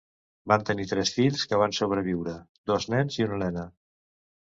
Van tenir tres fills que van sobreviure: dos nens i una nena.